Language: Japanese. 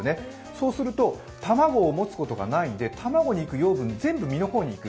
そうすると卵を持つことがないので卵の持つ養分が全部身の方にいく。